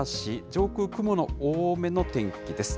上空、雲の多めの天気です。